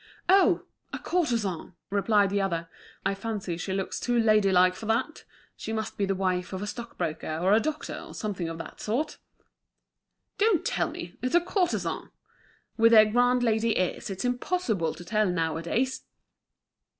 "Oh! a courtesan!" replied the other. "I fancy she looks too lady like for that. She must be the wife of a stockbroker or a doctor, or something of that sort." "Don't tell me! it's a courtesan. With their grand lady airs it's impossible to tell now a days!"